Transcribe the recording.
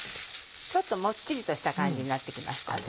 ちょっともっちりとした感じになって来ました。